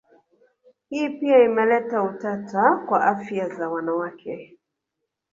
Hii pia imeleta utata kwa afya za wanawakwe